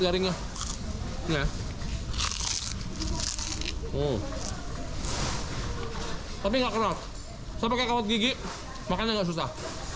garingnya ya tapi nggak keras saya pakai kawat gigi makannya enggak susah